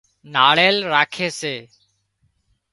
ناۯيل راکي سي